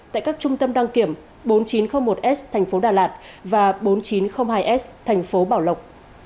tại các trung tâm đăng kiểm bốn nghìn chín trăm linh một s tp đà lạt và bốn nghìn chín trăm linh hai s tp bảo lộc